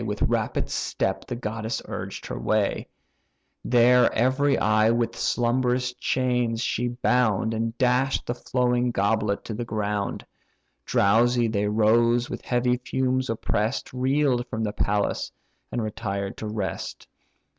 With rapid step the goddess urged her way; There every eye with slumberous chains she bound, And dash'd the flowing goblet to the ground. Drowsy they rose, with heavy fumes oppress'd, Reel'd from the palace, and retired to rest.